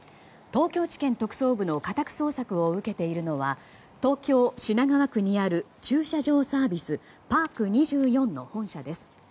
東京地検特捜部の家宅捜索を受けているのは東京・品川区にある駐車場サービスパーク２４の本社です。